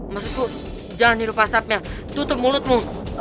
maksudku jangan liru pasapnya tutup mulutmu